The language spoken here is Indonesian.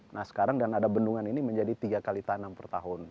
nah sekarang dan ada bendungan ini menjadi tiga kali tanam per tahun